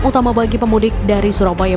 utama bagi pemudik dari surabaya